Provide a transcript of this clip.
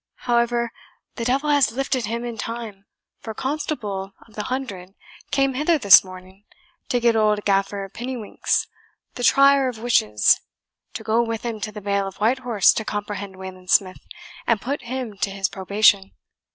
However, the devil has lifted him in time, for a Constable of the Hundred came hither this morning to get old Gaffer Pinniewinks, the trier of witches, to go with him to the Vale of Whitehorse to comprehend Wayland Smith, and put him to his probation.